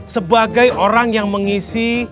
sebagai orang yang mengisi